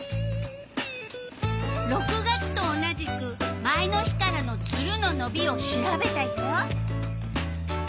６月と同じく前の日からのツルののびを調べたよ。